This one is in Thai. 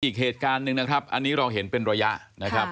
อีกเหตุการณ์หนึ่งนะครับอันนี้เราเห็นเป็นระยะนะครับ